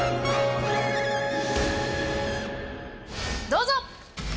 どうぞ！